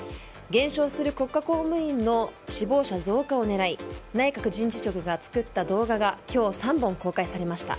減少する国家公務員の志望者増加を狙い内閣人事局が作った動画が今日３本公開されました。